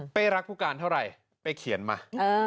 รักผู้การเท่าไหร่เป้เขียนมา